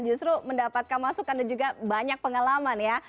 justru mendapatkan masukan dan juga banyak pengalaman ya